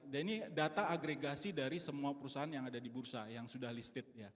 dan ini data agregasi dari semua perusahaan yang ada di bursa yang sudah listed